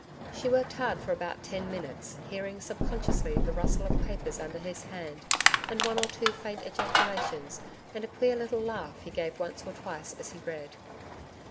She worked hard for about ten minutes, hearing sub consciously the rustle of papers under his hand and one or two faint ejaculations and a queer little laugh he gave once or twice as he read.